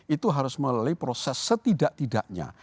itu harus melalui proses setidak tidaknya